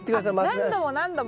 あっ何度も何度も？